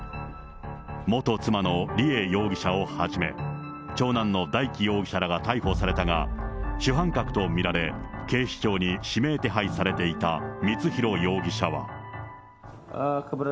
元妻の梨恵容疑者をはじめ、長男の大祈容疑者らが逮捕されたが、主犯格と見られ、警視庁に指名手配されていた光弘容疑者は。